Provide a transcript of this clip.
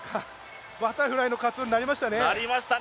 バタフライのカツオになりましたね。